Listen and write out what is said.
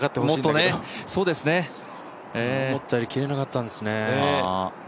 思ったより切れなかったんですね。